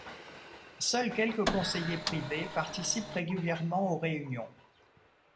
Seuls quelques conseillers privés participent régulièrement aux réunions.